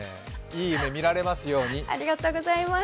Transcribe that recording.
いい夢みられますように。